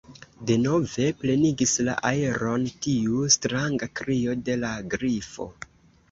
Denove plenigis la aeron tiu stranga krio de la Grifo.